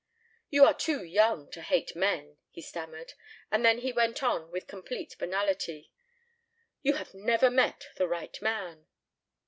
"You are too young to hate men," he stammered. And then he went on with complete banality, "You have never met the right man."